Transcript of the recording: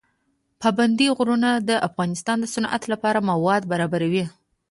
پابندی غرونه د افغانستان د صنعت لپاره مواد برابروي.